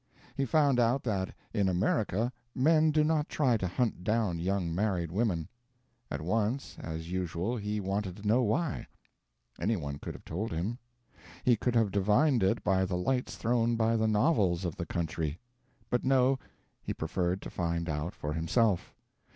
He found out that in America men do not try to hunt down young married women. At once, as usual, he wanted to know why. Any one could have told him. He could have divined it by the lights thrown by the novels of the country. But no, he preferred to find out for himself.